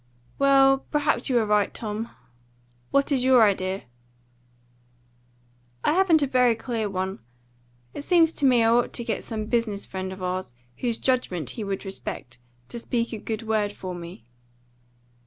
"Well, perhaps you are right, Tom. What is your idea?" "I haven't a very clear one. It seems to me I ought to get some business friend of ours, whose judgment he would respect, to speak a good word for me."